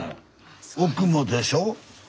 奥もでしょ？